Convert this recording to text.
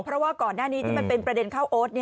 เพราะว่าก่อนหน้านี้ที่มันเป็นประเด็นข้าวโอ๊ต